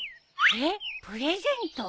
えっプレゼント？